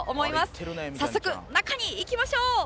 早速中に行きましょう！